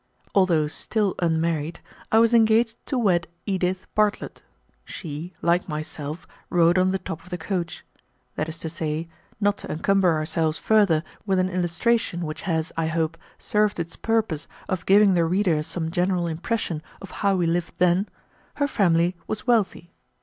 Although still unmarried, I was engaged to wed Edith Bartlett. She, like myself, rode on the top of the coach. That is to say, not to encumber ourselves further with an illustration which has, I hope, served its purpose of giving the reader some general impression of how we lived then, her family was wealthy.